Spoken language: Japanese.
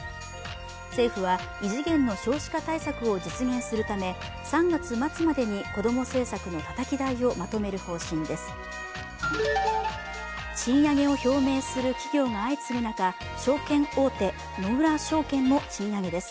政府は、異次元の少子化対策を実現するため３月末までにこども政策のたたき台をまとめる方針です。